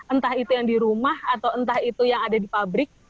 entah itu yang di rumah atau entah itu yang ada di pabrik